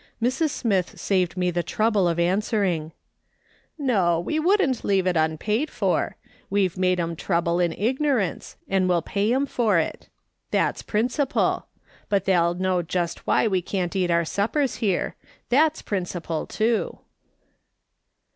Mrs. Smith saved me the trouble of answering :" No, we wouldn't leave it unpaid for. "We've made 'em trouble in ignorance, and we'll pay 'em for it. Tliat's principle ; but they'll know just Mhy we can't eat our suppers here ; that's principle, too."